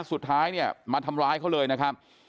สุดท้ายเนี่ยมาทำร้ายเขาเลยนะครับ